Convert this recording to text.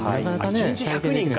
１日１００人か。